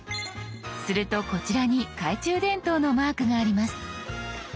するとこちらに懐中電灯のマークがあります。